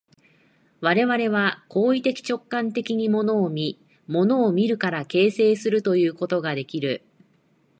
我々は行為的直観的に物を見、物を見るから形成するということができる。